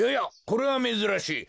これはめずらしい。